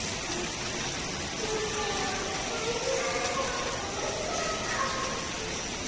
コッシーのだいじなえほんよごしちゃった。